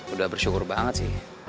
udah bersyukur banget sih